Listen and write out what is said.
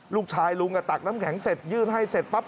ลูกชายลุงจะตักน้ำแข็งเสร็จยื่นให้เสร็จป๊ับ